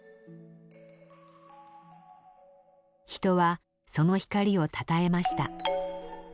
人はその光をたたえました。